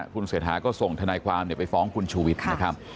คุณเศรษฐาก็ส่งทนายความไปฟ้องคุณชูวิทย์นะครับ